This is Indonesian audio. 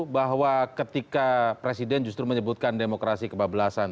bahwa ketika presiden justru menyebutkan demokrasi kebablasan